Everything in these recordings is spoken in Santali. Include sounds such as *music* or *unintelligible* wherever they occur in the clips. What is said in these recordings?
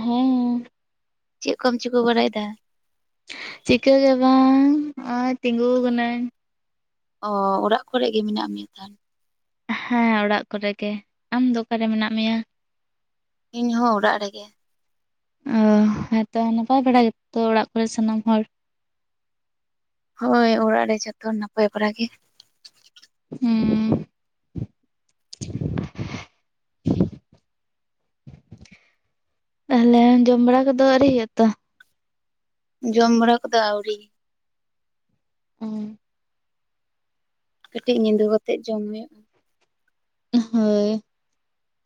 ᱦᱮᱸ ᱪᱮᱫ ᱠᱚᱢ ᱪᱤᱠᱟᱹ ᱵᱟᱲᱟᱭ ᱫᱟ? ᱪᱤᱠᱟᱹ ᱜᱮ ᱵᱟᱝ, ᱦᱚᱸᱜᱼᱚᱭ ᱛᱤᱜᱩ ᱠᱟᱱᱟᱹᱧ᱾ ᱚ ᱚᱲᱟᱜ ᱠᱚᱨᱮ ᱜᱮ ᱢᱮᱱᱟᱜ ᱢᱮᱭᱟ ᱛᱟᱦᱚᱞᱮ? ᱦᱮᱸ ᱚᱲᱟᱜ ᱠᱚᱨᱮ ᱜᱮ, ᱟᱢ ᱫᱚ ᱚᱠᱟ ᱨᱮ ᱢᱮᱱᱟᱜ ᱢᱮᱭᱟ? ᱤᱧ ᱦᱚᱸ ᱚᱲᱟᱜ ᱨᱮᱜᱮ᱾ ᱚ ᱦᱮᱸᱛᱚ ᱱᱟᱯᱟᱭ ᱵᱟᱲᱟ ᱜᱮ ᱛᱚ ᱚᱲᱟᱜ ᱠᱚ ᱨᱮ ᱥᱟᱱᱟᱢ ᱦᱚᱲ? ᱦᱳᱭ ᱚᱲᱟᱜ ᱨᱮ ᱡᱷᱚᱛᱚ ᱱᱟᱯᱟᱭ ᱵᱟᱲᱟ ᱜᱮ᱾ ᱦᱩᱸᱻ᱾ ᱛᱟᱦᱟᱞᱮ ᱡᱚᱢ ᱵᱟᱲᱟ ᱠᱚᱫᱚ ᱟᱹᱣᱨᱤ ᱦᱳᱭᱳᱜᱼᱟ ᱛᱚ? ᱡᱚᱢ ᱵᱟᱲᱟ ᱠᱚᱫᱚ ᱟᱹᱣᱨᱤ᱾ *unintelligible* ᱠᱟᱹᱴᱤᱡ ᱧᱤᱫᱟᱹ ᱠᱟᱛᱮᱫ ᱡᱚᱢ ᱦᱩᱭᱩᱜᱼᱟ᱾ ᱦᱳᱭᱻ᱾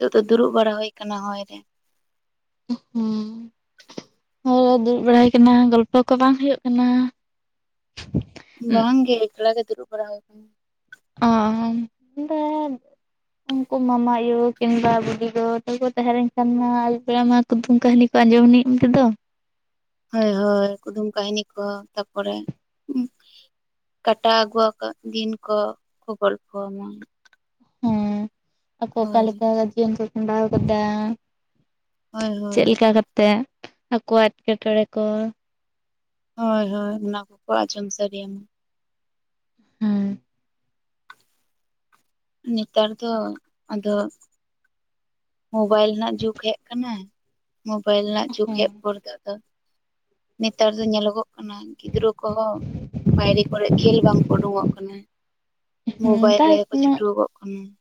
ᱱᱤᱛᱚᱜ ᱫᱚ ᱫᱩᱲᱩᱵ ᱵᱟᱲᱟ ᱦᱳᱭ ᱠᱟᱱᱟ ᱦᱚᱭ ᱨᱮ ᱾ ᱦᱩᱸᱻ᱾ ᱦᱚᱭᱨᱮ ᱫᱩᱲᱩᱵ ᱵᱟᱲᱟ ᱠᱟᱱᱟ ᱜᱚᱞᱯᱚ ᱠᱚ ᱵᱟᱝ ᱦᱳᱭᱳᱜ ᱠᱟᱱᱟ? ᱵᱟᱝ ᱜᱮ ᱮᱠᱞᱟ ᱜᱮ ᱫᱩᱲᱩᱵ ᱵᱟᱲᱟ ᱦᱩᱭ ᱠᱟᱱᱟ᱾ ᱚᱸᱻ᱾ ᱩᱱᱠᱩ ᱢᱟᱢᱟ ᱟᱭᱳ ᱠᱤᱝᱵᱟ ᱵᱩᱰᱤ ᱜᱚ ᱛᱚᱠᱚ ᱛᱟᱦᱮᱸ ᱞᱮᱱ ᱠᱷᱟᱱ ᱢᱟ ᱟᱹᱭᱩᱵ ᱵᱮᱲᱟ ᱢᱟ ᱠᱩᱫᱩᱢ ᱠᱟᱹᱦᱱᱤ ᱠᱚ ᱟᱸᱡᱚᱢᱱᱤᱜ ᱤᱱᱛᱮᱫᱚ᱾ ᱦᱳᱭ ᱦᱳᱭ ᱠᱩᱫᱩᱢ ᱠᱟᱹᱦᱱᱤ ᱠᱚ ᱛᱟᱯᱚᱨᱮ ᱠᱟᱴᱟᱣ ᱟᱹᱜᱩᱣᱟ ᱠᱟᱜ ᱜᱤᱱ ᱠᱚ ᱠᱚ ᱜᱚᱞᱯᱷᱚ ᱟᱢᱟ᱾ ᱦᱮᱸ ᱟᱠᱚ ᱦᱳᱭ ᱚᱠᱟᱞᱮᱠᱟ ᱡᱤᱭᱚᱱ ᱠᱚ ᱠᱷᱟᱸᱰᱟᱣ ᱠᱟᱫᱟ ᱦᱳᱭ ᱦᱳᱭ ᱪᱮᱜ ᱞᱮᱠᱟ ᱠᱟᱛᱮᱜ ᱟᱠᱚᱭᱟᱜ ᱮᱴᱠᱮᱴᱚᱬᱮ ᱠᱚ ᱦᱳᱭᱻ ᱦᱳᱭ ᱚᱱᱟ ᱠᱚᱠᱚ ᱟᱸᱡᱚᱢ ᱥᱟᱰᱮ ᱭᱟᱢᱟ᱾ ᱦᱮᱸᱻ᱾ ᱱᱮᱛᱟᱨ ᱫᱚ ᱟᱫᱚ ᱢᱳᱵᱟᱭᱤᱞ ᱨᱮᱱᱟᱜ ᱡᱩᱜᱽ ᱦᱮᱜ ᱠᱟᱱᱟ ᱾ ᱢᱳᱵᱟᱭᱤᱞ ᱨᱮᱱᱟᱜ ᱡᱩᱜᱽ ᱦᱮᱜ ᱯᱚᱨᱮᱛᱚ ᱟᱫᱚ ᱱᱮᱛᱟᱨ ᱫᱚ ᱧᱮᱞᱚᱜᱚᱜ ᱠᱟᱱᱟ ᱜᱤᱫᱽᱨᱟᱹ ᱠᱚᱦᱚᱸ ᱵᱟᱭᱨᱮ ᱠᱚᱨᱮᱜ ᱠᱷᱮᱞ ᱵᱟᱝᱠᱚ ᱩᱸᱰᱩᱠᱚᱜ ᱠᱟᱱᱟ᱾ ᱦᱮᱸ ᱢᱳᱵᱟᱭᱤᱞ ᱛᱟᱨ ᱨᱮᱜᱮ ᱠᱚ ᱪᱷᱩᱴᱩᱣ ᱠᱚᱜ ᱠᱟᱱᱟ ᱾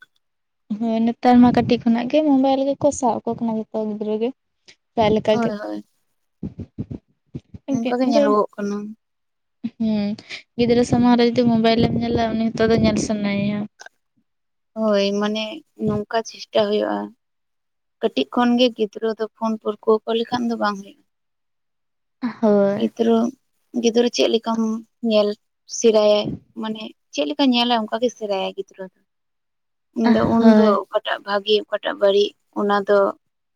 ᱦᱳᱭ ᱱᱮᱛᱟᱨ ᱢᱟ ᱠᱟᱹᱴᱤᱡ ᱠᱷᱚᱱᱟᱜ ᱜᱮ ᱢᱳᱵᱟᱭᱤᱞ ᱜᱮᱠᱚ ᱥᱟᱜ ᱟᱠᱚ ᱠᱟᱱᱟ ᱡᱚᱛᱚ ᱜᱤᱫᱽᱨᱟᱹ ᱜᱮ᱾ ᱚᱠᱟ ᱞᱮᱠᱟ ᱜᱮ ᱦᱳᱭ ᱦᱳᱭ ᱱᱚᱝᱠᱟ ᱜᱮ ᱧᱮᱞᱚᱜᱚᱜ ᱠᱟᱱᱟ᱾ ᱦᱮᱸ ᱜᱤᱫᱽᱨᱟᱹ ᱥᱟᱢᱟᱝ ᱨᱮ ᱡᱩᱫᱤ ᱢᱳᱵᱟᱭᱤᱞᱮᱢ ᱧᱮᱞᱟ ᱩᱱᱤ ᱦᱚᱛᱚ ᱟᱫᱚ ᱧᱮᱞ ᱥᱟᱱᱟᱭ ᱮᱭᱟ᱾ ᱦᱳᱭ ᱢᱟᱱᱮ ᱱᱚᱝᱠᱟ ᱪᱮᱥᱴᱟ ᱦᱳᱭᱳᱜᱼᱟ᱾ ᱠᱟᱹᱴᱤᱡ ᱠᱷᱚᱱ ᱜᱮ ᱜᱤᱫᱽᱨᱟᱹ ᱫᱚ ᱯᱷᱳᱱ ᱯᱟᱹᱨᱠᱟᱹᱣ ᱠᱚ ᱞᱮᱠᱷᱟᱱ ᱫᱚ ᱵᱟᱝ ᱦᱳᱭᱳᱜᱼᱟ᱾ ᱦᱳᱭ ᱜᱤᱫᱽᱨᱟᱹ ᱜᱤᱫᱽᱨᱟᱹ ᱪᱮᱜ ᱞᱮᱠᱟᱢ ᱧᱮᱞ ᱥᱮᱲᱟᱭᱟ ᱢᱟᱱᱮ ᱪᱮᱫ ᱞᱮᱠᱟ ᱧᱮᱞᱟᱭ ᱚᱝᱠᱟ ᱜᱮ ᱥᱮᱲᱟᱭᱟᱭ ᱜᱤᱫᱽᱨᱟᱹ ᱩᱱᱤ ᱫᱚ ᱩᱱᱫᱚ ᱦᱳᱭ ᱚᱠᱟᱴᱟᱜ ᱵᱷᱟᱜᱮ ᱚᱠᱟᱴᱟᱜ ᱵᱟᱹᱲᱤᱡ ᱚᱱᱟ ᱫᱚ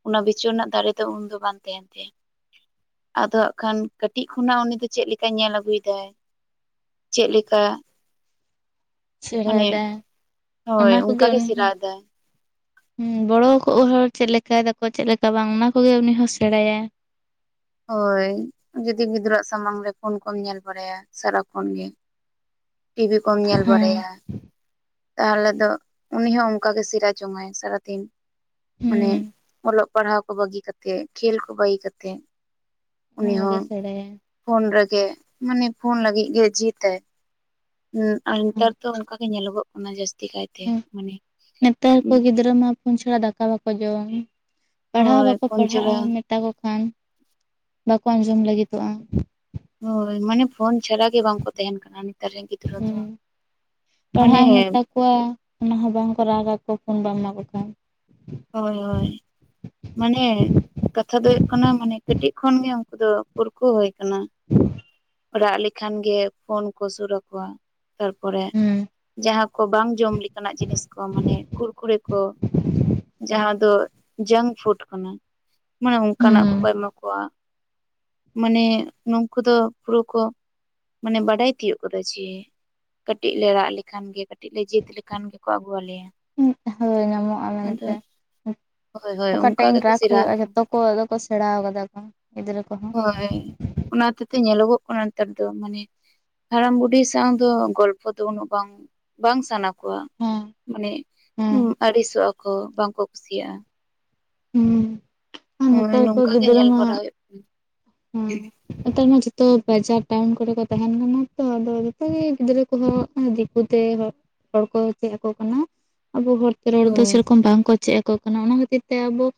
ᱚᱱᱟ ᱵᱤᱪᱟᱹᱨ ᱨᱮᱱᱟᱜ ᱫᱟᱲᱮ ᱫᱚ ᱩᱱᱫᱚ ᱵᱟᱝ ᱛᱮᱦᱮᱱ ᱛᱟᱭᱟ ᱟᱫᱚ ᱦᱟᱸᱜ ᱠᱷᱟᱱ ᱠᱟᱹᱴᱤᱡ ᱠᱷᱚᱱᱟᱜ ᱩᱱᱤ ᱫᱚ ᱪᱮᱫ ᱞᱮᱠᱟᱭ ᱧᱮᱞ ᱟᱹᱜᱩᱭᱮᱫᱟᱭ ᱪᱮᱫ ᱞᱮᱠᱟ ᱢᱟᱱᱮ ᱥᱮᱬᱟᱭᱫᱟᱭ ᱦᱳᱭ ᱚᱱᱟ ᱠᱚᱜᱮ ᱚᱱᱠᱟ ᱜᱮ ᱩᱱᱤ ᱦᱚᱸ ᱥᱮᱬᱟᱭ ᱫᱟᱭ ᱦᱚᱸ ᱵᱚᱲᱚ ᱠᱚᱜ ᱦᱚᱲ ᱪᱮᱫ ᱞᱮᱠᱟᱭ ᱫᱟᱠᱚ ᱪᱮᱫ ᱞᱮᱠᱟ ᱵᱟᱝ ᱚᱱᱟ ᱠᱚᱜᱮ ᱩᱱᱤ ᱦᱚᱸ ᱥᱮᱬᱟᱭᱟ ᱦᱳᱭ ᱡᱩᱫᱤ ᱜᱤᱫᱽᱨᱟᱹᱣᱟᱜ ᱥᱟᱢᱟᱝ ᱨᱮ ᱯᱷᱳᱱ ᱠᱚᱢ ᱧᱮᱞ ᱵᱟᱲᱟᱭᱟ ᱥᱟᱨᱟᱠᱷᱚᱱ ᱜᱮ ᱴᱤᱵᱤ ᱠᱚᱢ ᱧᱮᱞ ᱦᱮᱸ ᱵᱟᱲᱟᱭᱟ ᱛᱟᱦᱚᱞᱮ ᱫᱚ ᱩᱱᱤ ᱦᱚᱸ ᱚᱝᱠᱟ ᱜᱮ ᱥᱤᱲᱟ ᱡᱚᱝᱟᱭ ᱥᱟᱨᱟᱫᱤᱱ ᱢᱟᱱᱮ ᱦᱮᱸ ᱚᱞᱚᱜ ᱯᱟᱲᱦᱟᱣ ᱠᱚ ᱵᱟᱹᱜᱤ ᱠᱟᱛᱮᱜ ᱠᱷᱮᱞ ᱠᱚ ᱵᱟᱹᱜᱤ ᱠᱟᱛᱮᱜ ᱚᱱᱟ ᱩᱱᱤ ᱠᱚᱜᱮ ᱦᱚᱸ ᱥᱮᱬᱟᱭᱟ ᱯᱷᱳᱱ ᱨᱮᱜᱮ ᱢᱟᱱᱮ ᱯᱷᱳᱱ ᱞᱟᱹᱜᱤᱜ ᱜᱮ ᱡᱤᱛᱟᱭ ᱦᱩᱸ ᱟᱨ ᱱᱤᱛᱟᱨ ᱫᱚ ᱚᱝᱠᱟ ᱜᱮ ᱧᱮᱞᱚᱜᱚᱜ ᱠᱟᱱᱟ ᱡᱟᱹᱥᱛᱤ ᱠᱟᱭᱛᱮ ᱢᱟᱱᱮ ᱱᱮᱛᱟᱨ ᱠᱚ ᱜᱤᱫᱽᱨᱟᱹ ᱢᱟ ᱯᱷᱳᱱ ᱪᱷᱟᱲᱟ ᱫᱟᱠᱟ ᱵᱟᱠᱚ ᱡᱚᱢ ᱯᱟᱲᱦᱟᱣ ᱦᱚ ᱦᱳᱭ ᱵᱟᱠᱚ ᱯᱷᱳᱱ ᱯᱟᱲᱦᱟᱜᱼᱟ ᱪᱷᱟᱲᱟ ᱢᱮᱛᱟᱠᱚ ᱠᱷᱟᱱ ᱵᱟᱠᱚ ᱟᱸᱡᱚᱢ ᱞᱟᱹᱜᱤᱫᱚᱜᱼᱟ ᱦᱳᱭ ᱢᱟᱱᱮ ᱯᱷᱳᱱ ᱪᱷᱟᱲᱟ ᱜᱮ ᱵᱟᱝᱠᱚ ᱛᱟᱦᱮᱱ ᱠᱟᱱᱟ ᱱᱮᱛᱟᱨ ᱨᱮᱱ ᱜᱤᱫᱽᱨᱟᱹ ᱫᱚ ᱦᱩᱸ ᱢᱟᱱᱮ ᱯᱟᱲᱦᱟᱜ ᱮᱢ ᱢᱮᱛᱟ ᱠᱚᱣᱟ ᱚᱱᱟ ᱦᱚᱸ ᱵᱟᱝᱠᱚ ᱨᱟᱜᱟᱠᱚ ᱯᱷᱳᱱ ᱵᱟᱢ ᱮᱢᱟ ᱠᱚ ᱠᱷᱟᱱ ᱦᱳᱭ ᱦᱳᱭ ᱢᱟᱱᱮ ᱠᱟᱛᱷᱟ ᱫᱚ ᱦᱩᱭᱩᱜ ᱠᱟᱱᱟ ᱢᱟᱱᱮ ᱠᱟᱹᱴᱤᱜ ᱠᱷᱚᱱ ᱜᱮ ᱩᱱᱠᱩ ᱫᱚ ᱯᱟᱹᱨᱠᱟᱹᱣᱱᱦᱳᱭ ᱟᱠᱟᱱᱟ ᱨᱟᱜ ᱞᱮᱠᱷᱟᱱ ᱜᱮ ᱯᱷᱳᱱ ᱠᱚ ᱥᱩᱨ ᱟᱠᱚᱣᱟ ᱛᱟᱨᱯᱚᱨᱮ ᱡᱟᱦᱟᱸ ᱠᱚ ᱵᱟᱝ ᱡᱚᱢ ᱞᱤᱠᱟᱱᱟᱜ ᱡᱤᱱᱤᱥ ᱠᱚ ᱢᱟᱱᱮ ᱠᱩᱨᱠᱩᱨᱮ ᱠᱚ ᱡᱟᱦᱟᱸ ᱫᱚ ᱡᱟᱝᱠ ᱯᱷᱩᱰ ᱠᱟᱱᱟ ᱢᱟᱱᱮ ᱚᱝᱠᱟᱱᱟᱜ ᱦᱩᱸ ᱠᱚᱠᱚ ᱮᱢᱟ ᱠᱚᱣᱟ ᱢᱟᱱᱮ ᱱᱩᱝᱠᱩ ᱫᱚ ᱯᱩᱨᱟᱹ ᱠᱚ ᱢᱟᱱᱮ ᱵᱟᱰᱟᱭ ᱛᱤᱭᱳᱜ ᱟᱠᱟᱫᱟ ᱡᱮ ᱠᱟᱹᱴᱤᱜ ᱞᱮ ᱨᱟᱜ ᱞᱮᱠᱷᱟᱱ ᱜᱮ ᱠᱟᱹᱴᱤᱜ ᱞᱮ ᱡᱮᱛ ᱞᱮᱠᱷᱟᱱ ᱜᱮᱠᱚ ᱟᱹᱜᱩᱣᱟᱞᱮᱭᱟ ᱦᱳᱭ ᱧᱟᱢᱚᱜᱼᱟ ᱢᱮᱱᱛᱮ ᱦᱳᱭ ᱦᱳᱭ ᱚᱠᱟ ᱚᱱᱠᱟ ᱴᱟᱭᱤᱢ ᱜᱮᱠᱚ ᱨᱟᱜ ᱥᱮᱬᱟᱜ ᱦᱳᱭᱳᱜᱼᱟ ᱛᱟᱦᱮᱸ ᱡᱷᱚᱛᱚ ᱠᱚ ᱟᱫᱚ ᱠᱚ ᱥᱮᱬᱟᱣ ᱟᱠᱟᱫᱟ ᱠᱚ ᱜᱤᱫᱽᱨᱟᱹ ᱠᱚᱦᱚᱸ ᱦᱳᱭ ᱚᱱᱟ ᱦᱚᱛᱮᱜ ᱛᱮ ᱧᱮᱞᱚᱜᱚᱜ ᱠᱟᱱᱟ ᱱᱮᱛᱟᱨ ᱫᱚ ᱢᱟᱱᱮ ᱦᱟᱲᱟᱢ ᱵᱩᱰᱷᱤ ᱥᱟᱶ ᱫᱚ ᱜᱚᱞᱯᱚ ᱫᱚ ᱩᱱᱟᱹᱜ ᱵᱟᱝ ᱵᱟᱝ ᱥᱟᱱᱟ ᱠᱩᱣᱟ ᱦᱮᱸ ᱢᱟᱱᱮ ᱦᱮᱸ ᱟᱹᱲᱤᱥᱚᱜ ᱟᱠᱚ ᱵᱟᱝ ᱠᱚ ᱠᱩᱥᱤᱭᱟᱜᱼᱟ ᱦᱩᱸ ᱦᱳᱭ ᱱᱮᱛᱟᱨ ᱠᱚ ᱱᱚᱝᱠᱟ ᱜᱮ ᱜᱤᱫᱽᱨᱟᱹ ᱧᱮᱞ ᱢᱟ ᱵᱟᱲᱟ ᱦᱩᱭᱩᱜ ᱦᱮᱸ ᱱᱮᱛᱟᱨ ᱢᱟ ᱡᱚᱛᱚ ᱵᱟᱡᱟᱨ ᱴᱟᱣᱩᱱ ᱠᱚᱨᱮ ᱠᱚ ᱛᱟᱦᱮᱱ ᱠᱟᱱᱟ ᱛᱚ ᱟᱫᱚ ᱡᱚᱛᱚ ᱜᱮ ᱜᱤᱫᱽᱨᱟᱹ ᱠᱚ ᱩᱱᱠᱩ ᱦᱚᱸ ᱫᱤᱠᱩ ᱛᱮ ᱦᱚᱲ ᱠᱚ ᱪᱮᱫ ᱟᱠᱚ ᱠᱟᱱᱟ ᱟᱵᱚ ᱦᱚᱲ ᱨᱚᱲ ᱠᱟᱱᱟ ᱫᱚ ᱦᱳᱭ ᱥᱮᱨᱚᱠᱚᱢ ᱵᱟᱝ ᱠᱚ ᱪᱮᱫ ᱟᱠᱚ ᱠᱟᱱᱟ ᱚᱱᱟ ᱠᱷᱟᱹᱛᱤᱨ ᱛᱮ ᱟᱵᱚ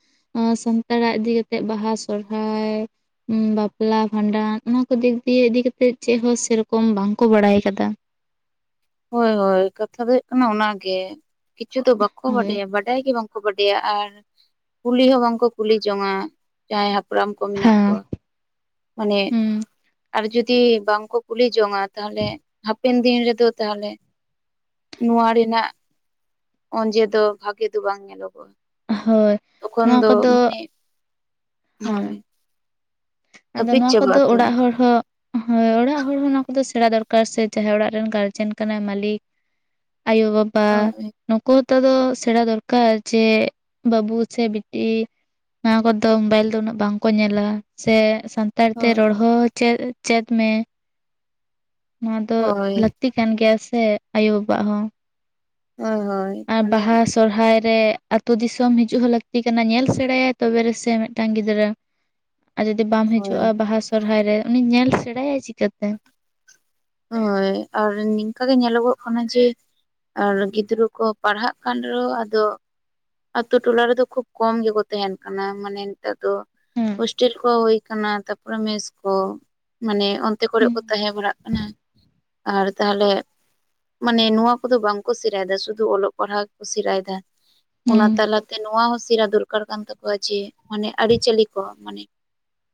ᱥᱟᱱ ᱛᱟᱲᱟᱜ ᱤᱫᱤ ᱠᱟᱛᱮᱫ ᱵᱟᱦᱟ ᱥᱚᱦᱨᱟᱭ ᱵᱟᱯᱞᱟ ᱵᱷᱟᱸᱰᱟᱱ ᱚᱱᱟ ᱠᱚ ᱫᱤᱠ ᱫᱤᱭᱮ ᱤᱫᱤᱠᱟᱛᱮᱜ ᱪᱮᱫᱦᱚ ᱥᱮᱨᱚᱠᱚᱢ ᱵᱟᱝᱠᱚ ᱵᱟᱲᱟᱭ ᱟᱠᱟᱫᱟ ᱦᱳᱭ ᱦᱳᱭ ᱠᱟᱛᱷᱟ ᱫᱚ ᱦᱩᱭᱩᱜ ᱠᱟᱱᱟ ᱚᱱᱟ ᱜᱮ ᱠᱤᱪᱷᱩ ᱫᱚ ᱵᱟᱠᱚ ᱦᱳᱭ ᱵᱟᱰᱟᱭᱟ ᱵᱟᱰᱟᱭ ᱜᱮ ᱵᱟᱝ ᱠᱚ ᱵᱟᱰᱭᱟ ᱟᱨ ᱠᱩᱞᱤ ᱦᱚᱸ ᱵᱟᱝ ᱠᱚ ᱠᱩᱞᱤ ᱡᱚᱝᱟ ᱡᱟᱦᱟᱸᱭ ᱦᱟᱯᱲᱟᱢ ᱠᱚ ᱢᱮᱱᱟᱜ ᱠᱚᱣᱟ ᱦᱮᱸ ᱢᱟᱱᱮ ᱦᱩᱸ ᱟᱨ ᱡᱩᱫᱤ ᱵᱟᱝ ᱠᱚ ᱠᱩᱞᱤ ᱡᱚᱝᱼᱟ ᱛᱟᱦᱚᱞᱮ ᱦᱟᱯᱮᱱ ᱫᱤᱱ ᱨᱮᱫᱚ ᱛᱟᱦᱚᱞᱮ ᱱᱚᱣᱟ ᱨᱮᱱᱟᱜ ᱚᱸᱡᱮ ᱫᱚ ᱵᱷᱟᱜᱮ ᱫᱚ ᱵᱟᱝ ᱧᱮᱞᱚᱜᱚᱜᱼᱟ ᱦᱳᱭ ᱛᱚᱠᱷᱚᱱ ᱱᱚᱣᱟ ᱫᱚ ᱠᱚᱫᱚ ᱢᱟᱱᱮ ᱦᱮᱸ ᱦᱳᱭ ᱟᱫᱚ ᱦᱟᱹᱯᱤᱫ ᱱᱚᱣᱟ ᱪᱟᱵᱟᱜ ᱠᱚᱫᱚ ᱟᱛᱚ ᱚᱲᱟᱜ ᱦᱚᱲ ᱦᱚᱸ ᱦᱳᱭ ᱚᱲᱟᱜ ᱦᱚᱲ ᱦᱚᱸ ᱚᱱᱟ ᱠᱚᱫᱚ ᱥᱮᱬᱟ ᱫᱚᱨᱠᱟᱨ ᱥᱮ ᱡᱟᱦᱟᱸᱭ ᱚᱲᱟᱜ ᱨᱮᱱ ᱜᱟᱨᱡᱮᱱ ᱠᱟᱱᱟᱭ ᱢᱟᱹᱞᱤᱠ ᱟᱭᱳ ᱵᱟᱵᱟ ᱦᱳᱭ ᱱᱩᱠᱩ ᱦᱚᱛᱚ ᱟᱫᱚ ᱥᱮᱬᱟ ᱫᱚᱨᱠᱟᱨ ᱡᱮ ᱵᱟᱹᱵᱩ ᱥᱮ ᱵᱤᱴᱤ ᱱᱚᱣᱟ ᱠᱚᱫᱚ ᱢᱳᱵᱟᱭᱤᱞ ᱫᱚ ᱩᱱᱟᱹᱜ ᱵᱟᱝ ᱠᱚ ᱧᱮᱞᱟ ᱥᱮ ᱥᱟᱱᱛᱟᱲ ᱛᱮ ᱦᱳᱭ ᱨᱚᱲ ᱦᱚ ᱪᱮᱫ ᱪᱮᱫ ᱢᱮ ᱱᱚᱣᱟ ᱫᱚ ᱦᱳᱭ ᱞᱟᱹᱠᱛᱤ ᱠᱟᱱ ᱜᱮᱭᱟ ᱥᱮ ᱟᱭᱩ ᱵᱟᱵᱟᱣᱟᱜ ᱦᱚᱸ ᱦᱳᱭ ᱦᱳᱭ ᱟᱨ ᱢᱟᱱᱮ ᱵᱟᱦᱟ ᱥᱚᱨᱦᱟᱭ ᱨᱮ ᱟᱹᱛᱩ ᱫᱤᱥᱚᱢ ᱦᱤᱡᱩᱜ ᱦᱚᱸ ᱞᱟᱹᱠᱛᱤ ᱠᱟᱱᱟ ᱧᱮᱞ ᱥᱮᱬᱟᱭᱟ ᱛᱚᱵᱮ ᱨᱮᱥᱮ ᱢᱤᱫᱴᱟᱝ ᱜᱤᱫᱽᱨᱟᱹ ᱟᱨ ᱡᱩᱫᱤ ᱵᱟᱢ ᱦᱳᱭ ᱦᱤᱡᱩᱜᱼᱟ ᱵᱟᱦᱟ ᱥᱚᱨᱦᱟᱭ ᱨᱮ ᱩᱱᱤ ᱧᱮᱞ ᱥᱮᱬᱟᱭᱟᱭ ᱪᱤᱠᱟᱹᱛᱮ? ᱦᱳᱭ ᱟᱨ ᱱᱤᱝᱠᱟ ᱜᱮ ᱧᱮᱞᱚᱜᱚᱜ ᱠᱟᱱᱟ ᱡᱮ ᱟᱨ ᱜᱤᱫᱽᱨᱟᱹ ᱠᱚ ᱯᱟᱲᱦᱟᱜ ᱠᱟᱱ ᱨᱮᱦᱚᱸ ᱟᱫᱚ ᱟᱛᱳ ᱴᱚᱞᱟ ᱨᱮᱫᱚ ᱠᱷᱩᱵ ᱠᱚᱢ ᱜᱮᱠᱚ ᱛᱟᱦᱮᱱ ᱠᱟᱱᱟ ᱢᱟᱱᱮ ᱱᱮᱛᱟᱨ ᱫᱚ ᱦᱮᱸ ᱦᱳᱥᱴᱮᱞ ᱠᱚ ᱦᱩᱭ ᱟᱠᱟᱱᱟ ᱛᱟᱯᱚᱨᱮ ᱢᱮᱥ ᱠᱚ ᱢᱟᱱᱮ ᱚᱱᱛᱮ ᱠᱚᱨᱮᱜ ᱠᱚ ᱛᱟᱦᱮᱸ ᱵᱟᱲᱟᱜ ᱠᱟᱱᱟ ᱟᱨ ᱛᱟᱦᱚᱞᱮ ᱢᱟᱱᱮ ᱱᱚᱣᱟ ᱠᱚᱫᱚ ᱵᱟᱝᱠᱚ ᱥᱮᱬᱟᱭᱮᱫᱟ ᱥᱩᱫᱷᱩ ᱚᱞᱚᱜ ᱯᱟᱲᱦᱟᱜ ᱜᱮᱠᱚ ᱥᱮᱬᱟᱭᱮᱫᱟ ᱚᱱᱟ ᱦᱩᱸ ᱛᱟᱞᱟᱛᱮ ᱱᱚᱣᱟ ᱦᱚᱸ ᱥᱮᱬᱟ ᱫᱚᱨᱠᱟᱨ ᱠᱟᱱ ᱛᱟᱠᱚᱣᱟ ᱡᱮ ᱢᱟᱱᱮ ᱟᱹᱨᱤᱪᱟᱹᱞᱤ ᱠᱚ ᱢᱟᱱᱮ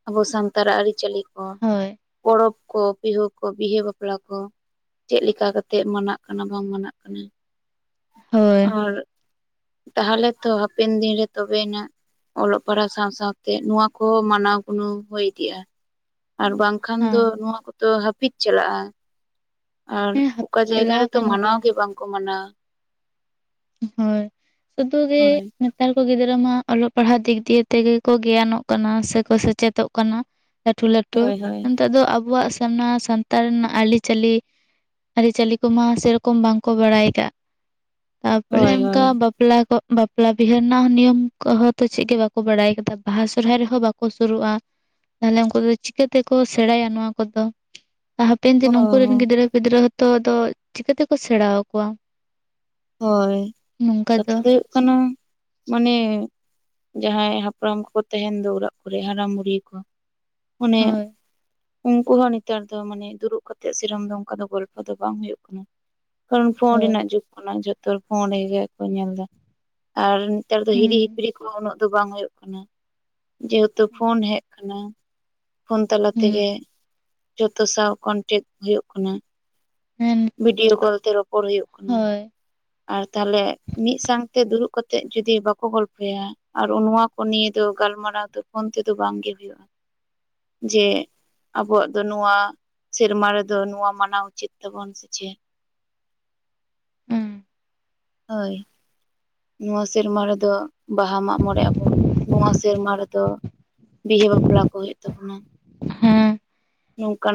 ᱟᱵᱚ ᱥᱟᱱᱛᱟᱲᱟᱜ ᱟᱹᱨᱤᱪᱟᱹᱞᱤ ᱦᱳᱭ ᱯᱚᱨᱚᱵᱽ ᱠᱚ ᱵᱤᱦᱟᱹ ᱠᱚ ᱵᱤᱦᱟᱹ ᱵᱟᱯᱞᱟ ᱠᱚ ᱪᱮᱫ ᱞᱮᱠᱟ ᱠᱟᱛᱮᱜ ᱢᱟᱱᱟᱜ ᱠᱟᱱᱟ ᱵᱟᱝ ᱢᱟᱱᱟᱜ ᱠᱟᱱᱟ? *unintelligible* ᱛᱟᱦᱚᱞᱮ ᱛᱚ ᱦᱟᱯᱮᱱ ᱫᱤᱱ ᱨᱮ ᱛᱚᱵᱮᱱᱟᱜ ᱚᱞᱚᱜ ᱯᱟᱲᱦᱟᱜ ᱥᱟᱶ ᱥᱟᱶᱛᱮ ᱱᱚᱣᱟ ᱠᱚᱦᱚᱸ ᱢᱟᱱᱟᱣ ᱜᱩᱱᱟᱹᱣ ᱦᱩᱭ ᱤᱫᱤᱜᱼᱟ ᱟᱨ ᱵᱟᱝᱠᱷᱟᱱ ᱫᱚ ᱦᱮᱸ ᱱᱚᱣᱟ ᱠᱚᱫᱚ ᱦᱟᱹᱯᱤᱫ ᱪᱟᱞᱟᱜᱼᱟ ᱟᱨ ᱚᱠᱟ ᱦᱟᱹᱯᱤᱫ ᱡᱟᱭᱜᱟ ᱪᱟᱞᱟᱣ ᱨᱮᱛᱚ ᱟᱠᱟᱱ ᱢᱟᱱᱟᱣ ᱜᱮᱭᱟ ᱜᱮ ᱵᱟᱝᱠᱚ ᱢᱟᱱᱟᱣᱟ ᱦᱳᱭ ᱥᱩᱫᱩ ᱜᱮ ᱦᱳᱭ ᱱᱮᱛᱟᱨ ᱠᱚ ᱜᱤᱫᱽᱨᱟᱹ ᱢᱟ ᱚᱞᱚᱜ ᱯᱟᱲᱦᱟᱜ ᱫᱤᱠ ᱫᱤᱭᱮ ᱛᱮᱜᱮ ᱠᱚ ᱜᱮᱭᱟᱱᱚᱜ ᱠᱟᱱᱟ ᱥᱮᱠᱚ ᱥᱮᱪᱮᱫᱚᱜ ᱠᱟᱱᱟ ᱞᱟᱹᱴᱷᱩ ᱞᱟᱹᱴᱷᱩ ᱦᱳᱭ ᱦᱳᱭ ᱱᱮᱛᱚᱜ ᱫᱚ ᱟᱵᱚᱣᱟᱜ ᱥᱟᱱᱟ ᱥᱟᱱᱛᱟᱲ ᱨᱮᱱᱟᱜ ᱟᱹᱨᱤᱪᱟᱹᱞᱤ ᱟᱹᱨᱤ ᱪᱟᱹᱞᱤ ᱠᱚᱢᱟ ᱥᱮᱨᱚᱠᱚᱢ ᱵᱟᱝ ᱠᱚ ᱵᱟᱲᱟᱭ ᱟᱠᱟᱜ ᱯᱚᱨᱮ ᱦᱳᱭ ᱚᱱᱠᱟ ᱦᱳᱭ ᱵᱟᱼᱼ ᱵᱟᱯᱞᱟ ᱠᱚ ᱵᱟᱯᱞᱟ ᱵᱤᱦᱟᱹ ᱨᱮᱱᱟᱜ ᱱᱤᱭᱚᱢ ᱠᱚᱦᱚᱸ ᱛᱚ ᱪᱮᱫ ᱜᱮ ᱵᱟᱠᱚ ᱵᱟᱲᱟᱭ ᱠᱟᱫᱟ ᱵᱟᱦᱟ ᱥᱚᱦᱨᱟᱭ ᱨᱮᱦᱚᱸ ᱵᱟᱠᱚ ᱠᱚ ᱥᱩᱨᱩᱜᱼᱟ ᱛᱟᱦᱞᱮ ᱩᱱᱠᱩ ᱫᱚ ᱪᱤᱠᱟᱹ ᱛᱮᱠᱚ ᱥᱮᱬᱟᱭᱟ ᱱᱚᱣᱟ ᱠᱚᱫᱚ? ᱦᱟᱯᱮᱱ ᱚ ᱫᱤᱱ ᱩᱱᱠᱩᱨᱮᱱ ᱜᱤᱫᱽᱨᱟᱹ ᱯᱤᱫᱽᱨᱟᱹ ᱦᱚᱸᱛᱚ ᱟᱫᱚ ᱪᱤᱠᱟᱹᱛᱮᱠᱚ ᱥᱮᱬᱟ ᱟᱠᱚᱣᱟ? ᱦᱳᱭ ᱠᱟᱛᱷᱟ ᱫᱚ ᱦᱩᱭᱩᱜ ᱠᱟᱱᱟ ᱢᱟᱱᱮ ᱡᱟᱦᱟᱸᱭ ᱦᱟᱯᱲᱟᱢ ᱠᱚᱠᱚ ᱛᱟᱦᱮᱱ ᱫᱚ ᱚᱲᱟᱜ ᱠᱚᱨᱮ ᱦᱟᱲᱟᱢ ᱵᱩᱲᱦᱤ ᱠᱚ ᱚᱱᱮ ᱦᱳᱭ ᱩᱱᱠᱩ ᱦᱚᱸ ᱱᱮᱛᱟᱨ ᱫᱚ ᱢᱟᱱᱮ ᱫᱩᱲᱩᱵ ᱠᱟᱛᱮᱜ ᱥᱤᱨᱚᱢ ᱫᱚ ᱚᱱᱠᱟ ᱫᱚ ᱜᱚᱞᱯᱚ ᱫᱚ ᱵᱟᱝ ᱦᱩᱭᱩᱜ ᱠᱟᱱᱟ ᱠᱟᱨᱚᱱ ᱯᱷᱳᱱ ᱦᱳᱭ ᱨᱮᱱᱟᱜ ᱡᱩᱜᱽ ᱠᱟᱱᱟ ᱡᱚᱛᱚ ᱯᱷᱳᱱ ᱨᱮᱜᱮ ᱠᱚ ᱧᱮᱞ ᱮᱫᱟ ᱟᱨ ᱱᱮᱛᱟᱨ ᱫᱚ ᱦᱤᱨᱤ ᱦᱩᱸ ᱦᱤᱯᱨᱤ ᱠᱚᱦᱚᱸ ᱩᱱᱟᱹᱜ ᱫᱚ ᱵᱟᱝ ᱦᱩᱭᱩᱜ ᱠᱟᱱᱟ ᱡᱮᱦᱮᱛᱩ ᱯᱷᱳᱱ ᱦᱳᱭ ᱦᱮᱡ ᱟᱠᱟᱱᱟ᱾ ᱯᱷᱳᱱ ᱛᱟᱞᱟ ᱛᱮᱜᱮ ᱦᱩᱸ ᱡᱚᱛᱚ ᱥᱟᱶ ᱠᱚᱱᱴᱮᱠ ᱦᱩᱭᱩᱜ ᱠᱟᱱᱟ᱾ ᱦᱮᱸ ᱵᱷᱤᱰᱭᱳ ᱠᱚᱞ ᱛᱮ ᱨᱚᱯᱚᱲ ᱦᱩᱭᱩᱜ ᱠᱟᱱᱟ᱾ ᱦᱳᱭ ᱟᱨ ᱛᱟᱦᱚᱞᱮ ᱢᱤᱫ ᱥᱟᱶᱛᱮ ᱫᱩᱲᱩᱵ ᱠᱟᱛᱮᱜ ᱡᱩᱫᱤ ᱵᱟᱠᱚ ᱜᱚᱞᱯᱷᱚᱭᱟ ᱟᱨ ᱱᱚᱣᱟ ᱠᱚ ᱱᱤᱭᱮ ᱫᱚ ᱜᱟᱞᱢᱟᱨᱟᱣ ᱫᱚ ᱯᱷᱳᱱ ᱛᱮᱫᱚ ᱵᱟᱝᱜᱮ ᱦᱩᱭᱩᱜᱼᱟ ᱡᱮ ᱟᱵᱚᱣᱟᱜ ᱫᱚ ᱱᱚᱣᱟ ᱥᱮᱨᱢᱟ ᱨᱮᱫᱚ ᱱᱚᱣᱟ ᱢᱟᱱᱟᱣ ᱩᱪᱤᱛ ᱛᱟᱵᱩᱱ ᱥᱮ ᱪᱮᱫ? ᱦᱩᱸ ᱦᱳᱭ ᱱᱚᱣᱟ ᱥᱮᱨᱢᱟ ᱨᱮᱫᱚ ᱵᱟᱦᱟ ᱢᱟᱜ ᱢᱚᱬᱮ ᱟᱵᱚᱱ ᱱᱚᱣᱟ ᱥᱮᱨᱢᱟ ᱨᱮᱫᱚ ᱵᱤᱦᱟᱹ ᱵᱟᱯᱞᱟ ᱠᱚ ᱦᱩᱭᱩᱜ ᱛᱟᱵᱚᱱᱟ᱾ ᱦᱮᱸ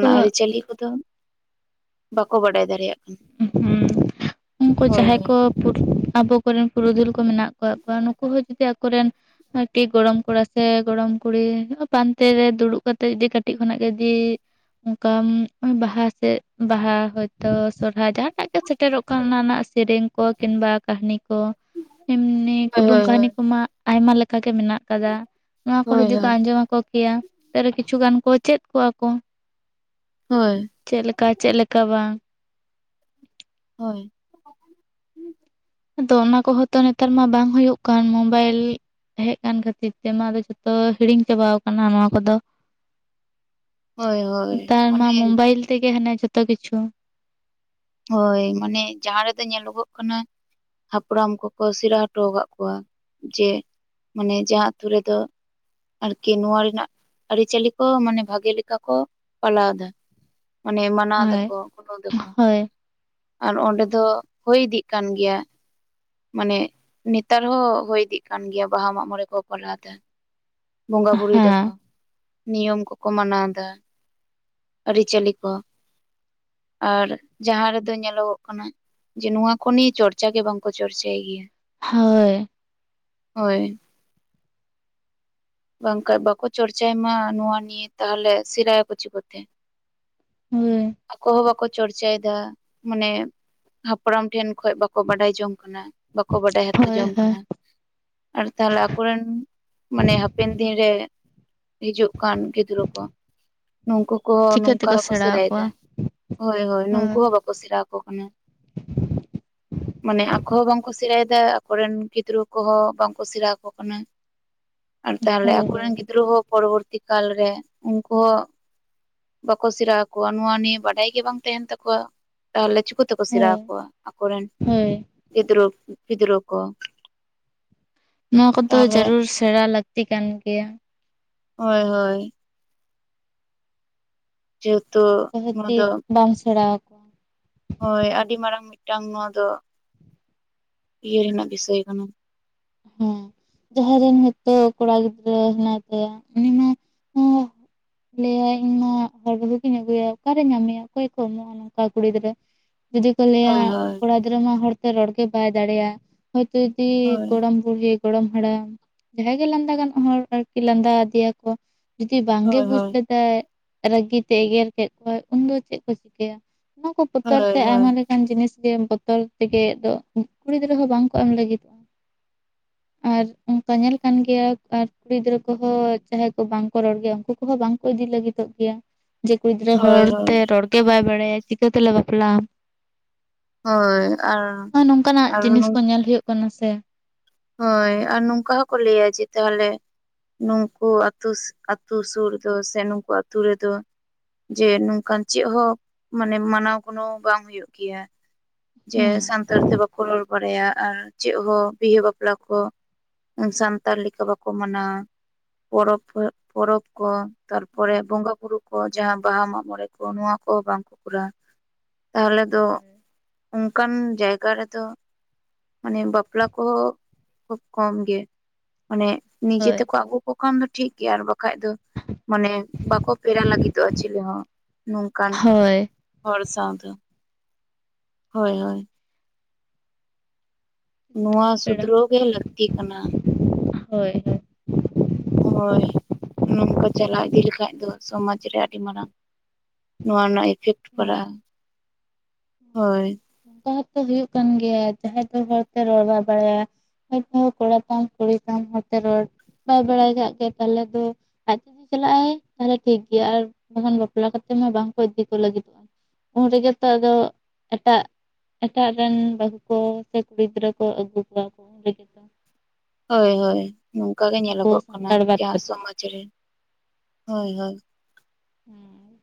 ᱠᱚ ᱟᱹᱨᱤᱪᱟᱹᱞᱤ ᱠᱚᱫᱚ ᱵᱟᱠᱚ ᱵᱟᱰᱟᱭ ᱫᱟᱲᱮᱭᱟᱜ ᱠᱟᱱᱟ ᱦᱩᱸ ᱩᱱᱠᱩ ᱡᱟᱦᱟᱸᱭ ᱦᱳᱭ ᱠᱚ *unintelligible* ᱟᱵᱚ ᱠᱚᱨᱮᱱ ᱯᱩᱨᱩᱫᱷᱩᱞ ᱠᱚ ᱢᱮᱱᱟᱜ ᱠᱟᱫ ᱠᱚᱣᱟ ᱱᱩᱠᱩ ᱦᱚᱸ ᱡᱩᱫᱤ ᱟᱠᱚᱨᱮᱱ ᱟᱨᱠᱤ ᱜᱚᱲᱚᱢ ᱠᱚᱲᱟ ᱥᱮ ᱜᱚᱲᱚᱢ ᱠᱩᱲᱤ ᱯᱟᱱᱛᱮ ᱨᱮ ᱫᱩᱲᱩᱵ ᱠᱟᱛᱮᱜ ᱡᱩᱫᱤ ᱠᱟᱹᱴᱤᱡ ᱠᱷᱚᱱᱟᱜ ᱜᱮ ᱡᱩᱫᱤ ᱚᱱᱠᱟ ᱵᱟᱦᱟ ᱥᱮ ᱵᱟᱦᱟ ᱦᱚᱭᱛᱚ ᱥᱚᱨ ᱡᱟᱦᱟᱴᱟᱜ ᱜᱮ ᱥᱮᱴᱮᱨᱚᱜ ᱠᱟᱱ ᱚᱱᱟ ᱨᱮᱱᱟᱜ ᱥᱮᱨᱮᱧ ᱠᱚ ᱠᱤᱢᱵᱟ ᱠᱟᱹᱦᱱᱤ ᱠᱚ ᱮᱢᱱᱤ ᱦᱳᱭ ᱠᱩᱫᱩᱢ ᱦᱳᱭ ᱠᱟᱹᱦᱱᱤ ᱠᱚᱢᱟ ᱟᱭᱢᱟ ᱞᱮᱠᱟ ᱜᱮ ᱢᱮᱱᱟᱜ ᱠᱟᱫᱟ ᱱᱚᱣᱟ ᱠᱚ ᱦᱳᱭ ᱡᱩᱫᱤ ᱠᱚ ᱦᱳᱭ ᱟᱸᱡᱚᱢ ᱟᱠᱚ ᱠᱮᱭᱟ ᱛᱟᱹᱨᱮ ᱠᱤᱪᱷᱩ ᱜᱟᱱ ᱠᱚ ᱪᱮᱫ ᱠᱚᱣᱟ ᱠᱚ ᱦᱳᱭ ᱪᱮᱫ ᱞᱮᱠᱟ ᱪᱮᱫ ᱞᱮᱠᱟ ᱵᱟᱝ ᱦᱳᱭ ᱟᱫᱚ ᱚᱱᱟ ᱠᱚᱦᱚᱸ ᱛᱚ ᱱᱮᱛᱟᱨ ᱢᱟ ᱵᱟᱝ ᱦᱩᱭᱩᱜ ᱠᱟᱱ ᱢᱳᱵᱟᱭᱤᱞ ᱦᱮᱡ ᱠᱟᱱ ᱠᱷᱟᱹᱛᱤᱨ ᱛᱮ ᱱᱚᱶᱟ ᱫᱚ ᱡᱷᱚᱛᱚ ᱦᱤᱲᱤᱧ ᱪᱟᱵᱟᱣ ᱠᱟᱱᱟ ᱱᱚᱣᱟ ᱠᱚᱫᱚ ᱦᱳᱭ ᱦᱳᱭ ᱦᱳᱭ ᱦᱳᱭ ᱱᱮᱛᱟᱨ ᱢᱟ ᱢᱟᱱᱮ ᱢᱳᱵᱟᱭᱤᱞ ᱛᱮᱜᱮ ᱦᱟᱱᱮ ᱡᱚᱛᱚ ᱠᱤᱪᱷᱩ᱾ ᱦᱳᱭ ᱢᱟᱱᱮ ᱡᱟᱦᱟᱸ ᱨᱮᱫᱚ ᱧᱮᱞᱚᱜᱚᱜ ᱠᱟᱱᱟ ᱦᱟᱯᱲᱟᱢ ᱠᱚᱠᱚ ᱥᱮᱲᱟ ᱦᱚᱴᱚ ᱟᱠᱟᱫ ᱠᱚᱣᱟ ᱡᱮ ᱢᱟᱱᱮ ᱡᱟᱦᱟᱸ ᱟᱛᱳ ᱨᱮᱫᱚ ᱟᱨᱠᱤ ᱱᱚᱣᱟ ᱨᱮᱱᱟᱜ ᱟᱹᱨᱤᱪᱟᱹᱞᱤ ᱠᱚ ᱢᱟᱱᱮ ᱵᱷᱟᱜᱮ ᱞᱮᱠᱟ ᱠᱚ ᱯᱟᱞᱟᱣ ᱮᱫᱟ᱾ ᱢᱟᱱᱮ ᱢᱟᱱᱟᱣ ᱦᱳᱭ ᱫᱟᱠᱚ ᱜᱩᱞᱹᱣ ᱫᱟᱠᱚ ᱦᱳᱭ ᱟᱨ ᱚᱸᱰᱮ ᱫᱚ ᱦᱩᱭ ᱤᱫᱤᱜ ᱠᱟᱱ ᱜᱮᱭᱟ᱾ ᱢᱟᱱᱮ ᱱᱮᱛᱟᱨ ᱦᱚᱸ ᱦᱳᱭ ᱤᱫᱤᱜ ᱠᱟᱱ ᱜᱮᱭᱟ ᱵᱟᱦᱟ ᱢᱟᱜ ᱢᱚᱬᱮ ᱠᱚ ᱠᱚᱨᱟᱣ ᱮᱫᱟ᱾ ᱵᱚᱸᱜᱟ ᱵᱨᱩᱭ ᱦᱮᱸ ᱫᱟᱠᱚ ᱱᱤᱭᱚᱢ ᱠᱚᱠᱚ ᱢᱟᱱᱟᱣ ᱮᱫᱟ ᱟᱹᱨᱤᱪᱟᱹᱞᱤ ᱠᱚ᱾ ᱟᱨ ᱡᱟᱦᱟᱸ ᱨᱮᱫᱚ ᱧᱮᱞᱚᱜᱚᱜ ᱠᱟᱱᱟ ᱡᱮ ᱱᱚᱣᱟ ᱠᱚ ᱱᱤᱭᱮ ᱪᱚᱨᱪᱟ ᱜᱮ ᱵᱟᱝᱠᱚ ᱪᱚᱨᱪᱟᱭ ᱜᱮᱭᱟ᱾ ᱦᱳᱭ ᱦᱳᱭ ᱵᱟᱝᱠᱷᱟᱱ ᱵᱟᱠᱚ ᱪᱚᱨᱪᱟᱭ ᱢᱟ ᱱᱚᱣᱟ ᱱᱤᱭᱮ ᱛᱟᱦᱚᱞᱮ ᱥᱮᱲᱟᱭᱟ ᱠᱚ ᱪᱤᱠᱟᱹᱛᱮ ᱦᱳᱭ ᱟᱠᱚ ᱵᱟᱠᱚ ᱪᱚᱨᱪᱟᱭᱮᱫᱟ ᱢᱟᱱᱮ ᱦᱟᱯᱲᱟᱢ ᱴᱷᱮᱱ ᱠᱷᱚᱱ ᱵᱟᱠᱚ ᱵᱟᱰᱟᱭ ᱡᱚᱝ ᱠᱟᱱᱟ᱾ ᱵᱟᱠᱚ ᱵᱟᱰᱟᱭ ᱦᱟᱛᱚ ᱦᱳᱭ ᱡᱚᱝ ᱦᱳᱭ ᱠᱟᱱᱟ ᱟᱨ ᱛᱟᱦᱚᱞᱮ ᱟᱠᱚᱨᱮᱱ ᱢᱟᱱᱮ ᱦᱟᱯᱮᱱ ᱫᱤᱱ ᱨᱮ ᱦᱤᱡᱩᱜ ᱠᱟᱱ ᱜᱤᱫᱽᱨᱟᱹ ᱠᱚ ᱱᱩᱝᱠᱩ ᱠᱚᱦᱚᱸ ᱪᱤᱠᱟᱹ ᱱᱚᱝᱠᱟ ᱛᱮᱠᱚ ᱦᱚᱸᱠᱚ ᱥᱮᱬᱟ ᱟᱠᱚᱣᱟ ᱥᱮᱨᱟᱭᱮᱫᱟ ᱦᱳᱭ ᱦᱳᱭ ᱱᱩᱝᱠᱩ ᱦᱚᱸ ᱵᱟᱠᱚ ᱥᱮᱬᱟ ᱟᱠᱚ ᱠᱟᱱᱟ᱾ *inaudible* ᱢᱟᱱᱮ ᱟᱠᱚ ᱦᱚᱸ ᱵᱟᱝᱠᱚ ᱥᱮᱬᱟᱭᱮᱫᱟ ᱟᱠᱚᱨᱮᱱ ᱜᱤᱫᱽᱨᱟᱹ ᱠᱚᱦᱚᱸ ᱵᱟᱝᱠᱚ ᱥᱮᱬᱟ ᱟᱠᱚ ᱠᱟᱱᱟ᱾ ᱟᱨ ᱛᱟᱦᱚᱞᱮ ᱦᱳᱭ ᱟᱠᱚᱨᱮᱱ ᱜᱤᱫᱽᱨᱟᱹ ᱦᱚᱸ ᱯᱚᱨᱚᱵᱚᱨᱛᱤ ᱠᱟᱞ ᱨᱮ ᱩᱱᱠᱩ ᱦᱚᱸ ᱵᱟᱠᱚ ᱥᱮᱨᱟ ᱟᱠᱚᱣᱟ ᱱᱚᱶᱟ ᱱᱤᱭᱟᱹ ᱵᱟᱰᱟᱭ ᱜᱮ ᱵᱟᱝ ᱛᱟᱦᱮᱱ ᱛᱟᱠᱚᱣᱟ ᱛᱟᱦᱚᱞᱮ ᱪᱤᱠᱳ ᱛᱮᱠᱚ ᱥᱮᱬᱟ ᱦᱳᱭ ᱟᱠᱚᱣᱟ ᱟᱠᱚᱨᱮᱱ ᱦᱳᱭ ᱜᱤᱫᱽᱨᱟᱹ ᱯᱤᱫᱽᱨᱟᱹ ᱠᱚ᱾ ᱱᱚᱣᱟ ᱠᱚᱫᱚ ᱛᱟᱦᱚᱞᱮ ᱡᱟᱹᱨᱩᱲ ᱥᱮᱬᱟ ᱞᱟᱹᱠᱛᱤ ᱠᱟᱱ ᱜᱮᱭᱟ᱾ ᱦᱳᱭ ᱦᱳᱭ ᱡᱮᱦᱮᱛᱩ ᱟᱠᱚ ᱱᱚᱣᱟ ᱠᱷᱟᱛᱤ ᱫᱚ ᱵᱟᱝ ᱥᱮᱬᱟ ᱟᱠᱚᱣᱟ ᱦᱳᱭ ᱟᱹᱰᱤ ᱢᱟᱨᱟᱝ ᱢᱤᱫᱴᱟᱝ ᱱᱚᱣᱟ ᱫᱚ ᱤᱭᱟᱹ ᱨᱮᱱᱟᱜ ᱵᱤᱥᱚᱭ ᱠᱟᱱᱟ ᱦᱮᱸ ᱡᱟᱦᱟᱸᱭ ᱨᱮᱱ ᱦᱚᱭᱛᱳ ᱠᱚᱲᱟ ᱜᱤᱫᱽᱨᱟᱹ ᱦᱮᱱᱟᱭ ᱛᱟᱭᱟ ᱩᱱᱤ ᱦᱚᱸ ᱞᱟᱹᱭᱟᱭ ᱤᱧ ᱢᱟ ᱦᱚᱲ ᱟᱹᱜᱩᱭᱟ ᱚᱠᱟᱨᱮ ᱧᱟᱢᱮᱭᱟ ᱚᱠᱚᱭ ᱠᱚ ᱮᱢᱚᱜᱼᱟ ᱠᱟ ᱠᱩᱲᱤ ᱜᱤᱫᱽᱨᱟᱹ ᱡᱩᱫᱤ ᱠᱚ ᱞᱟᱹᱭᱟ ᱦᱳᱭ ᱦᱳᱭ ᱠᱚᱲᱟ ᱜᱤᱫᱽᱨᱟᱹ ᱢᱟ ᱦᱚᱲᱛᱮ ᱨᱚᱲᱜᱮ ᱵᱟᱭ ᱫᱟᱲᱮᱭᱟᱜᱼᱟ ᱦᱳᱭᱛᱳ ᱡᱩᱫᱤ ᱜᱚᱲᱚᱢ ᱵᱩᱲᱦᱤ ᱜᱚᱲᱚᱢ ᱦᱟᱲᱟᱢ ᱡᱟᱦᱟᱸᱭ ᱜᱮ ᱞᱟᱸᱫᱟ ᱜᱟᱱᱚᱜ ᱦᱚᱲ ᱟᱨᱠᱤ ᱞᱟᱸᱫᱟ ᱟᱫᱤᱭᱟᱠᱚ ᱡᱩᱫᱤ ᱵᱟᱝᱜᱮ ᱦᱳᱭ ᱵᱩᱡᱽ ᱦᱳᱭ ᱞᱮᱫᱟᱭ ᱨᱟᱹᱜᱤᱛᱮ ᱮᱜᱮᱨ ᱠᱮᱫ ᱠᱚᱣᱟᱭ ᱩᱱᱫᱚ ᱪᱮᱫ ᱠᱚ ᱪᱤᱠᱟᱹᱭᱟ ᱱᱚᱣᱟ ᱠᱚ ᱵᱚᱛᱚᱨ ᱦᱳᱭ ᱛᱮ ᱦᱳᱭ ᱟᱭᱢᱟ ᱦᱳᱭ ᱞᱮᱠᱟᱱ ᱡᱤᱱᱤᱥ ᱜᱮ ᱵᱚᱛᱚᱨ ᱛᱮᱜᱮ ᱫᱚ ᱠᱩᱲᱤ ᱜᱤᱫᱽᱨᱟᱹ ᱦᱚᱸ ᱵᱟᱝ ᱠᱚ ᱮᱢ ᱞᱟᱹᱜᱤᱫᱚᱜᱼᱟ ᱟᱨ ᱚᱱᱠᱟ ᱧᱮᱞ ᱠᱟᱱ ᱜᱮᱭᱟ ᱟᱨ ᱠᱩᱲᱤ ᱜᱤᱫᱽᱨᱟᱹ ᱠᱚᱦᱚᱸ ᱡᱟᱦᱟᱸᱭ ᱠᱚ ᱵᱟᱝᱠᱚ ᱨᱚᱲ ᱜᱮᱭᱟ ᱩᱱᱠᱩ ᱠᱚᱦᱚᱸ ᱵᱟᱝᱠᱚ ᱤᱫᱤ ᱞᱟᱹᱜᱤᱫᱚᱜ ᱜᱮᱭᱟ ᱡᱮ ᱠᱩᱲᱤ ᱜᱤᱫᱽᱨᱟᱹ ᱦᱳᱭ ᱦᱚᱲᱛᱮ ᱦᱳᱭ ᱨᱚᱲᱜᱮ ᱵᱟᱭ ᱵᱟᱲᱟᱭᱟ ᱪᱤᱠᱟᱹ ᱛᱮᱞᱮ ᱵᱟᱯᱞᱟᱜᱼᱟ ᱦᱳᱭ ᱟᱨ ᱦ ᱱᱚᱝᱠᱟᱱᱟᱜ ᱟᱨ ᱡᱤᱱᱤᱥ ᱠᱚ ᱧᱮᱞ ᱦᱩᱭᱩᱜ ᱠᱟᱱᱟ ᱥᱮ ᱦᱳᱭ ᱟᱨ ᱱᱚᱝᱠᱟ ᱦᱚᱸᱠᱚ ᱞᱟᱹᱭᱟ ᱡᱮ ᱛᱟᱦᱚᱞᱮ ᱱᱩᱝᱠᱩ ᱟᱛᱳ ᱥᱩᱨ ᱨᱮ ᱫᱚ ᱥᱮ ᱱᱩᱝᱠᱩ ᱟᱛᱳ ᱨᱮᱫᱚ ᱡᱮ ᱱᱚᱝᱠᱟᱱ ᱪᱮᱫ ᱦᱚᱸ ᱢᱟᱱᱮ ᱢᱟᱱᱟᱣ ᱜᱟᱱᱚᱜ ᱵᱟᱝ ᱦᱩᱭᱩᱜ ᱜᱮᱭᱟ ᱡᱮ ᱦᱮᱸ ᱥᱟᱱᱛᱟᱲ ᱛᱮ ᱵᱟᱠᱚ ᱨᱚᱲ ᱵᱟᱲᱟᱭᱟ ᱟᱨ ᱪᱮᱫ ᱦᱚᱸ ᱵᱤᱦᱟᱹ ᱵᱟᱯᱞᱟ ᱵᱟᱯᱞᱟ ᱠᱚ ᱥᱟᱱᱛᱟᱲ ᱞᱮᱠᱟ ᱵᱟᱠᱚ ᱢᱟᱱᱟᱣᱟ ᱯᱚᱨᱚᱵᱽ ᱯᱚᱨᱚᱵᱽ ᱠᱚ ᱦᱚᱸ ᱛᱟᱨᱯᱚᱨᱮ ᱵᱚᱸᱜᱟᱼᱵᱩᱨᱩ ᱠᱚ ᱡᱟᱦᱟᱸ ᱵᱟᱦᱟ ᱢᱟᱜ ᱢᱚᱬᱮ ᱠᱚ ᱱᱚᱣᱟ ᱠᱚᱦᱚᱸ ᱵᱟᱝᱠᱚ ᱠᱚᱨᱟᱣᱼᱟ ᱛᱟᱦᱚᱞᱮ ᱫᱚ ᱚᱱᱠᱟᱱ ᱡᱟᱭᱜᱟ ᱨᱮᱫᱚ ᱢᱟᱱᱮ ᱵᱟᱯᱞᱟ ᱠᱚᱦᱚᱸ ᱠᱷᱩᱵᱽ ᱠᱚᱢ ᱜᱮ ᱢᱟᱱᱮ ᱱᱤᱡᱮ ᱦᱳᱭ ᱛᱮᱠᱚ ᱟᱹᱜᱩ ᱟᱹᱜᱩ ᱠᱷᱟᱱ ᱫᱚ ᱴᱷᱤᱠ ᱜᱮᱭᱟ ᱟᱨ ᱵᱟᱠᱷᱟᱡ ᱫᱚ ᱢᱟᱱᱮ ᱵᱟᱠᱚ ᱯᱮᱲᱟ ᱞᱟᱹᱜᱤᱫᱚᱜᱼᱟ ᱪᱤᱞᱮ ᱦᱚᱸ ᱱᱚ ᱠᱟᱱ ᱦᱳᱭ ᱦᱚᱲ ᱥᱟᱶ ᱫᱚ᱾ ᱦᱳᱭ ᱦᱳᱭ᱾ ᱱᱚᱣᱟ ᱦᱳᱭ ᱥᱩᱫᱷᱨᱟᱹᱣ ᱜᱮ ᱞᱟᱹᱠᱛᱤ ᱠᱟᱱᱟ᱾ ᱦᱳᱭ ᱦᱳᱭ᱾ ᱦᱳᱭ ᱱᱚᱝᱠᱟ ᱪᱟᱞᱟᱣ ᱤᱫᱤ ᱞᱮᱠᱷᱟᱡ ᱫᱚ ᱥᱚᱢᱟᱡᱽ ᱨᱮ ᱟᱹᱰᱤ ᱢᱟᱨᱟᱝ ᱱᱚᱣᱟ ᱨᱮᱱᱟᱜ ᱤᱯᱷᱮᱠᱴ ᱦᱳᱭ ᱯᱟᱲᱟᱜᱼᱟ ᱦᱳᱭ᱾ ᱚᱱᱠᱟ ᱦᱚᱸᱛᱚ ᱦᱩᱭᱩᱜ ᱠᱟᱱ ᱜᱮᱭᱟ ᱡᱟᱦᱟᱸᱭ ᱫᱚ ᱦᱚᱲᱛᱮ ᱨᱚᱲ ᱵᱟᱭ ᱵᱟᱲᱟᱭᱟ᱾ ᱦᱚᱭ ᱛᱚ ᱠᱚᱲᱟ ᱠᱚᱦᱚᱸ ᱠᱩᱲᱤ ᱢᱚᱡᱛᱮᱭ ᱨᱚᱲ ᱵᱟᱭ ᱵᱟᱲᱟᱭ ᱠᱟᱜ ᱜᱮ ᱛᱟᱦᱚᱞᱮ ᱫᱚ᱾ ᱟᱡ ᱛᱮ ᱡᱩᱫᱤ ᱪᱟᱞᱟᱜᱼ ᱟᱭ ᱛᱟᱦᱞᱮ ᱴᱷᱤᱠ ᱜᱮᱭᱟ ᱟᱨ ᱵᱟᱠᱷᱟᱱ ᱵᱟᱯᱞᱟ ᱠᱟᱛᱮᱜ ᱢᱟ ᱵᱟᱝᱠᱚ ᱤᱫᱤ ᱠᱚ ᱞᱟᱹᱜᱤᱫᱚᱜᱼᱟ᱾ ᱩᱱ ᱨᱮᱜᱮ ᱛᱚ ᱟᱫᱚ᱾ ᱮᱴᱟᱜ ᱮᱴᱟᱜ ᱨᱮᱱ ᱵᱟᱹᱦᱩ ᱠᱚ ᱥᱮ ᱠᱩᱲᱤ ᱜᱤᱫᱽᱨᱟᱹ ᱠᱚ ᱟᱹᱜᱩ ᱠᱚᱣᱟ ᱠᱚ ᱩᱱᱨᱮᱜᱮ ᱛᱚ᱾ ᱦᱳᱭ ᱦᱳᱭ ᱱᱚᱝᱠᱟ ᱜᱮ ᱟᱵᱚ ᱧᱮᱞᱚᱜᱚᱜ ᱠᱟᱱᱟ ᱥᱟᱱᱛᱟᱲ ᱵᱟᱫ ᱡᱟᱦᱟᱸ ᱠᱟᱛᱮᱫ ᱦᱮᱸ ᱥᱚᱢᱟᱡᱽ ᱨᱮ ᱦᱳᱭ ᱦᱳᱭ᱾ ᱦᱮᱸ᱾